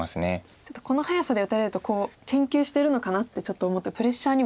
ちょっとこの早さで打たれると研究してるのかなってちょっと思ってプレッシャーにも。